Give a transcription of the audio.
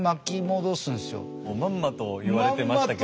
もうまんまと言われてましたけど。